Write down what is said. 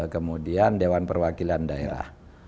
kemudian dewan perwakilan daerah